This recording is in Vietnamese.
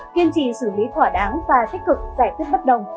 kiên trì xử lý thỏa đáng và tích cực giải quyết bất đồng